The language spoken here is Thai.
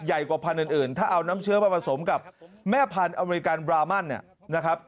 กว่าพันธุ์อื่นถ้าเอาน้ำเชื้อมาผสมกับแม่พันธุ์อเมริกันบรามันเนี่ยนะครับ